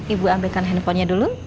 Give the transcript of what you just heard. ibu ambilkan handphonenya dulu